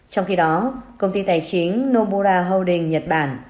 trong khi đó công ty tài chính nomura holdings nhật bản